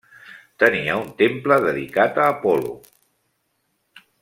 Tenia un temple dedicat a Apol·lo.